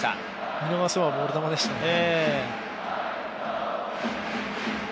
見逃せばボール球でしたね。